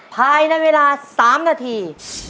ภายในเวลา๓นาที